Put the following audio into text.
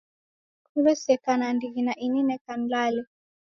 Kwaw'eseka nandighi na ini neka nilale.